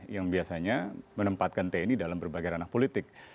yang biasanya menempatkan tni dalam berbagai ranah politik